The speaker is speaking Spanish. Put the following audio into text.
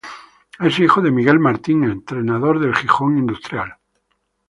Es hijo de Miguel Martín, entrenador del Gijón Industrial.